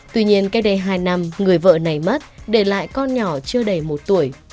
tuy nhiên cách đây hai năm người vợ này mất để lại con nhỏ chưa đầy một tuổi